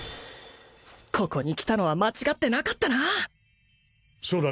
ここに来たのは間違ってなかったなそうだ